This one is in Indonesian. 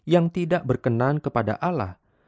yang tidak berkenan kepada allah